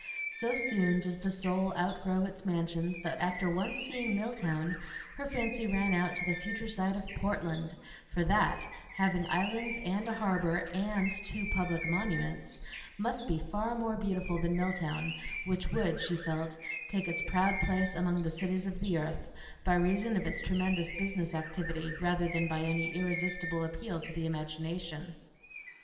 So soon does the soul outgrow its mansions that after once seeing Milltown her fancy ran out to the future sight of Portland; for that, having islands and a harbor and two public monuments, must be far more beautiful than Milltown, which would, she felt, take its proud place among the cities of the earth, by reason of its tremendous business activity rather than by any irresistible appeal to the imagination.